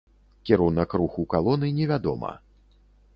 Кірунак руху калоны невядома.